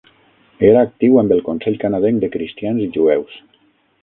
Era actiu amb el consell canadenc de cristians i jueus.